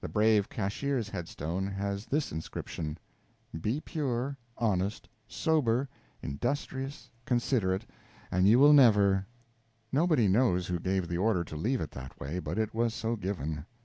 The brave cashier's head stone has this inscription: "Be pure, honest, sober, industrious, considerate, and you will never " Nobody knows who gave the order to leave it that way, but it was so given.